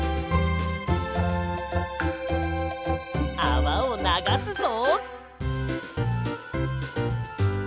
あわをながすぞ。